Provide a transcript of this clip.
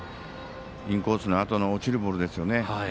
インコースのあとの落ちるボールですよね。